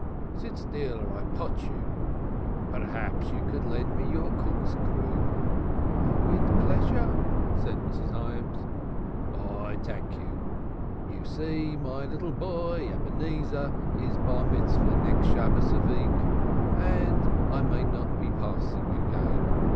Sit still or I potch you! P'raps you could lend me your corkscrew." "With pleasure," said Mrs. Hyams. "I dank you. You see my boy, Ebenezer, is Barmitzvah next Shabbos a veek, and I may not be passing again.